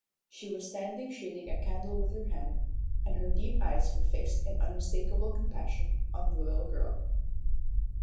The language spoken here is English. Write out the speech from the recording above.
She was standing shading a candle with her hand, and her deep eyes were fixed in unmistakable compassion on the little girl.